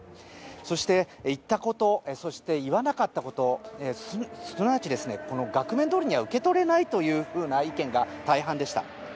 そして、言ったこと言わなかったことすなわち、額面どおりには受け取れないという意見が大半でした。